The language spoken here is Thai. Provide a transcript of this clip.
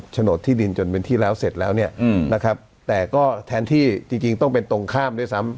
โดดที่ดินจนเป็นที่แล้วเสร็จแล้วเนี่ยนะครับแต่ก็แทนที่จริงต้องเป็นตรงข้ามด้วยซ้ำ